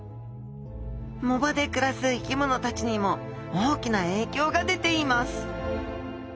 藻場で暮らす生き物たちにも大きな影響が出ています。